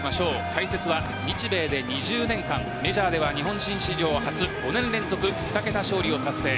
解説は日米で２０年間メジャーでは日本人史上初５年連続２桁勝利を達成。